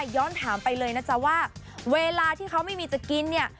ย้อนถามไปเลยนะจ๊ะว่าเวลาที่เขาไม่มีจะกินเนี่ย